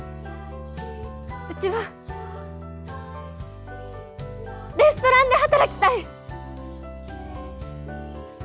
うちはレストランで働きたい！